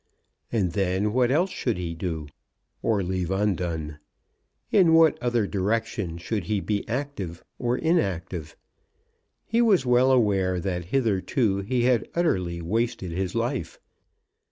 And then what else should he do, or leave undone? In what other direction should he be active or inactive? He was well aware that hitherto he had utterly wasted his life.